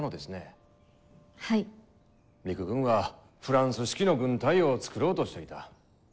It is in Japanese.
陸軍はフランス式の軍隊を作ろうとしていた。